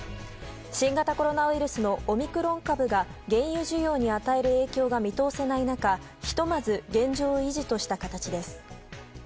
新型コロナウイルスのオミクロン株が原油需要に与える影響が見通せない中ひとまず現状維持とした形です。